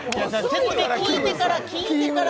説明聞いてから聞いてから！